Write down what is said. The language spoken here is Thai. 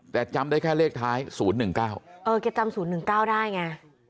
แต่จำได้แค่เลขท้าย๐๑๙เออแกจำ๐๑๙ได้ไง